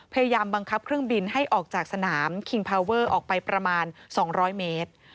พยายามบังคับเครื่องบินให้ออกจากสนามคิงพาวเวอร์ออกไปประมาณ๒๐๐เมตร